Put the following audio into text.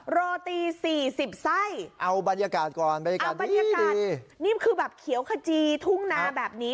โรตี๔๐ไส้เอาบรรยากาศก่อนบรรยากาศนี่คือแบบเขียวขจีทุ่งนาแบบนี้